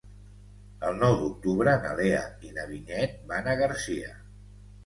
El nou d'octubre na Lea i na Vinyet van a Garcia.